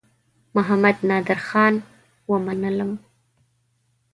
محمدنادرخان ومنلم.